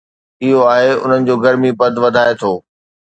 اهو آهي، انهن جو گرمي پد وڌائي ٿو